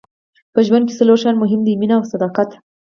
په ژوند کې څلور شیان مهم دي مینه او صداقت.